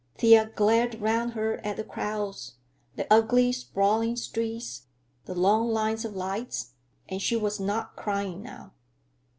Thea glared round her at the crowds, the ugly, sprawling streets, the long lines of lights, and she was not crying now.